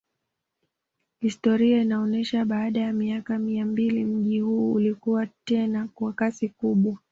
Historia inaonesha baada ya miaka mia mbili mji huu ulikuwa tena kwa kasi kubwa